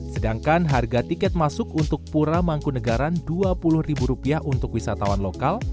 sedangkan harga tiket masuk untuk pura mangkunegaran rp dua puluh untuk wisatawan lokal